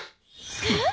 えっ！？